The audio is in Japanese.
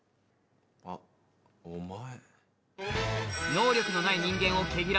あっお前。